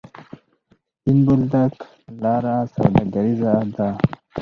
سپین بولدک لاره سوداګریزه ده؟